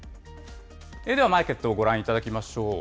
ではマーケットをご覧いただきましょう。